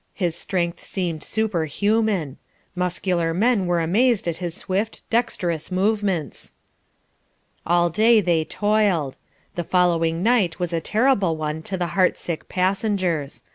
His strength seemed superhuman. Muscular men were amazed at his swift, dexterous movements. All day they toiled. The following night was a terrible one to the heart sick passengers.